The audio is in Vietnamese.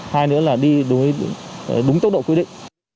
hai nữa là đi đúng tốc độ quy định